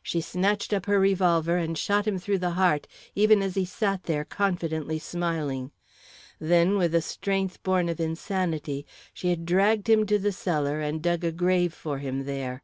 She snatched up her revolver and shot him through the heart, even as he sat there confidently smiling. Then, with a strength born of insanity, she had dragged him to the cellar and dug a grave for him there.